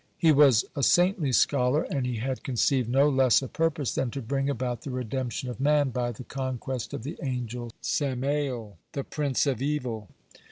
He was a saintly scholar, and he had conceived no less a purpose than to bring about the redemption of man by the conquest of the angel Samael, the Prince of Evil.